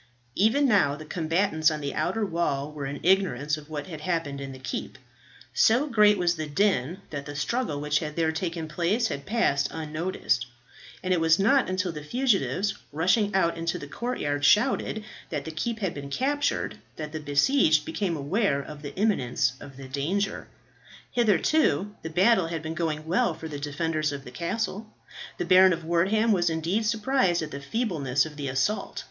Even now the combatants on the outer wall were in ignorance of what had happened in the keep; so great was the din that the struggle which had there taken place had passed unnoticed; and it was not until the fugitives, rushing out into the courtyard, shouted that the keep had been captured, that the besieged became aware of the imminence of the danger. Hitherto the battle had been going well for the defenders of the castle. The Baron of Wortham was indeed surprised at the feebleness of the assault.